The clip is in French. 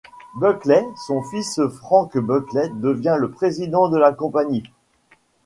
Buckley, son fils Franck Buckley devint le président de la compagnie.